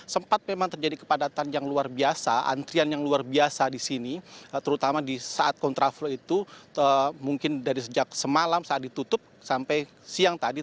sempat memang terjadi kepadatan yang luar biasa antrian yang luar biasa di sini terutama di saat kontraflow itu mungkin dari sejak semalam saat ditutup sampai siang tadi